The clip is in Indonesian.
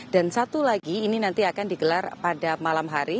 satu lagi ini nanti akan digelar pada malam hari